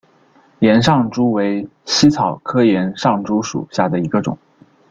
岩上珠为茜草科岩上珠属下的一个种。